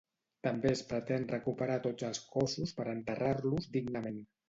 També es pretén recuperar tots els cossos per enterrar-los dignament.